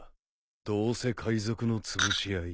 どうせ海賊のつぶし合い。